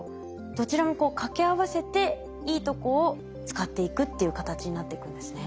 どちらも掛け合わせていいとこを使っていくっていう形になっていくんですね。